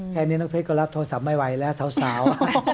แค่นี้น้องเพชรก็รับโทรศัพท์ไม่ไหวแล้วสาว